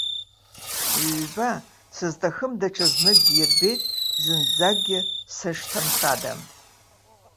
Ҩба, сызҭахым даҽазныкгьы ирбеит зынӡакгьы сышҭынхадам.